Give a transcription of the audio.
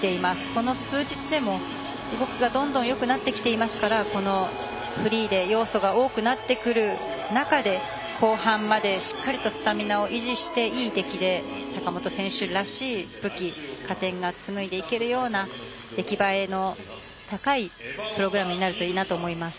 この数日でも動きがどんどんよくなってきていますからフリーで要素が多くなっていく中で後半までしっかりとスタミナを維持していい出来で坂本選手らしい武器、加点がつむいでいけるような出来栄えの高いプログラムになるといいなと思います。